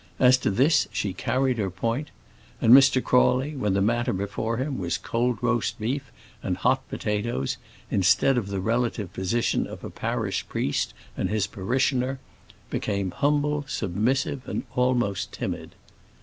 As to this, she carried her point; and Mr. Crawley when the matter before him was cold roast beef and hot potatoes, instead of the relative position of a parish priest and his parishioner became humble, submissive, and almost timid.